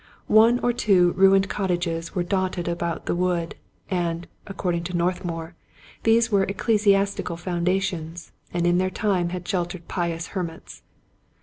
One or two ruined cottages were dotted about the wood ; and, according to Northmour, these were ecclesiastical foundations, and in their time had shel tered pious hermits.